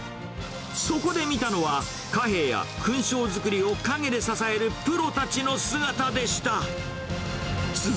そこで見たのは、貨幣や勲章づくりを陰で支えるプロたちの姿でした。